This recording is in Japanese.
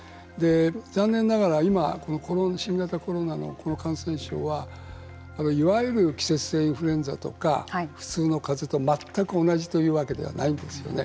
残念ながら今、この新型コロナの感染症はいわゆる季節性インフルエンザとか普通のかぜと全く同じというわけではないんですよね。